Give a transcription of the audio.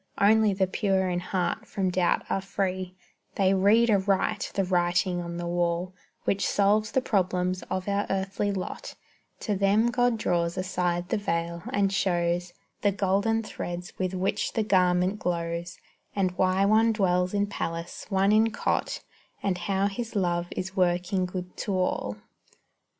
Only the pure in heart from doubt are free; They read aright the writing on the wall Which solves the problems of our earthly lot; To them God draws aside the veil, and shows The golden threads with which the garment glows, And why one dwells in palace, one in cot, And how His love is working good to all.